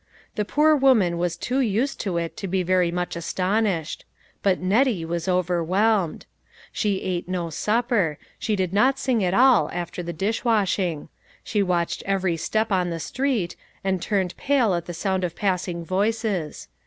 The poor woman was too used to it to be very much astonished ; but Nettie was overwhelmed. She ate no supper ; she did not sing at all over the dishwashing. She watched every step on the street, and turned pale at the sound of pass ing voices.